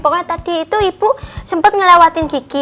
pokoknya tadi itu ibu sempat ngelewatin gigi